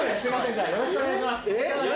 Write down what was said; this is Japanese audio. じゃあよろしくお願いします誰？